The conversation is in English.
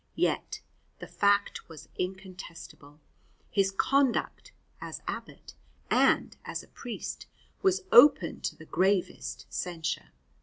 Yet the fact was incontestable his conduct as an abbot and as a priest was open to the gravest censure.